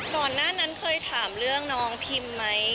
ก่อนหน้านั้นเคยถามเรื่องน้องพิมไหม